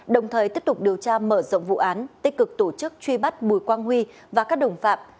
đồng thời tiếp tục điều tra mở rộng vụ án tích cực tổ chức truy bắt bùi quang huy và các đồng phạm